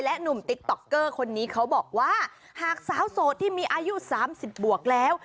หนุ่มติ๊กต๊อกเกอร์คนนี้เขาบอกว่าหากสาวโสดที่มีอายุ๓๐บวกแล้ว